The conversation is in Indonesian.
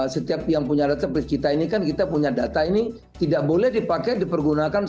setiap yang punya database kita ini kan kita punya data ini tidak boleh dipakai dipergunakan